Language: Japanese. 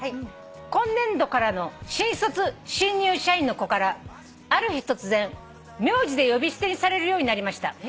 「今年度からの新卒新入社員の子からある日突然名字で呼び捨てにされるようになりました」